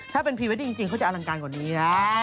ถ้าเป็นไฟวัทด์ดี่จริงเขาจะอลังการกว่านี้